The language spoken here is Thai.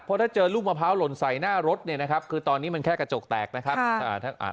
เพราะถ้าเจอลูกมะพร้าวหล่นใส่หน้ารถเนี่ยนะครับคือตอนนี้มันแค่กระจกแตกนะครับ